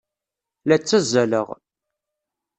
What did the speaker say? La ttazzaleɣ.